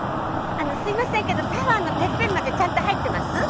あのすいませんけどタワーのてっぺんまでちゃんと入ってます？